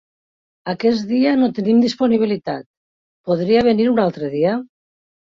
Aquest dia no tenim disponibilitat, podria venir un altre dia?